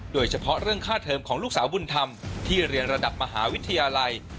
โดยเฉพาะเรื่องค่าเทอมของลูกสาวบุญธรรมที่เรียนระดับมหาวิทยาลัย